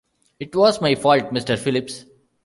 It was my fault Mr. Phillips.